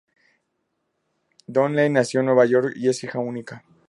Donnelly nació en Nueva York, y es hija única.